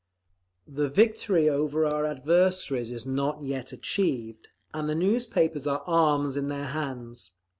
"The victory over our adversaries is not yet achieved, and the newspapers are arms in their hands.